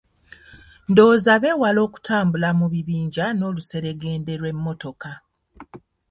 Ndowooza beewale okutambula mu bibinja n'oluseregende lw'emmotoka.